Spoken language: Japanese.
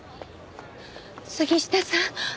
杉下さん！